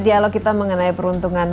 dialog kita mengenai peruntungan